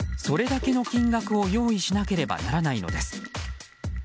それだけの金額を用意しなければならないのです。